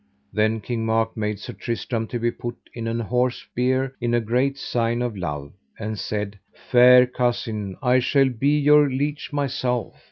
Then King Mark made Sir Tristram to be put in an horse bier in great sign of love, and said: Fair cousin, I shall be your leech myself.